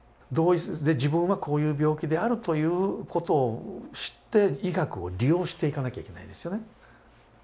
自分はこういう病気であるということを知って医学を利用していかなきゃいけないですよね。